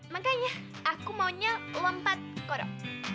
makanya aku maunya lompat korom